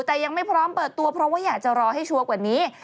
แต่ยังไม่พร้อมเปิดตัวเพราะว่าอยากจะรอให้ชัวร์กว่านี้